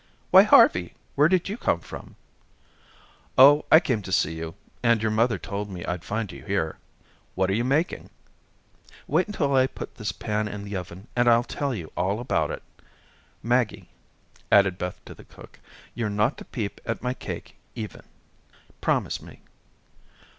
"Why, Harvey, where did you come from?" "Oh, I came to see you, and your mother told me I'd find you here. What are you making?" "Wait until I put this pan in the oven, and I'll tell you all about it. Maggie," added Beth to the cook, "you're not to peep at my cake even. Promise me."